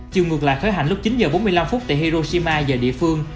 chiều ngược lại khởi hành lúc chín h bốn mươi năm phút tại hiroshima giờ địa phương